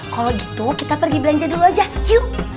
kalau gitu kita pergi belanja dulu aja yuk